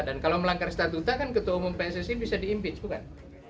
dan kalau melanggar statuta kan ketua umum pssi bisa diimpin bukan